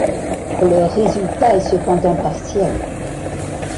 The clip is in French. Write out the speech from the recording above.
Le résultat est cependant partiel.